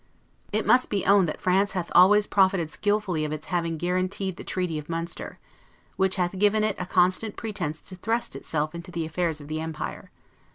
It must be owned that France hath always profited skillfully of its having guaranteed the treaty of Munster; which hath given it a constant pretense to thrust itself into the affairs of the empire.